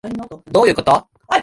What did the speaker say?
どういうこと？